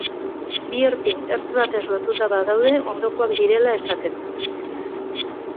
Bi erpin ertz batez lotuta badaude, ondokoak direla esaten da.